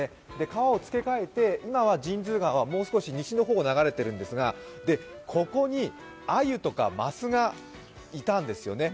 川をつけ替えて今は神通川はもう少し西の方を流れているんですがここに、あゆとか、ますがいたんですよね。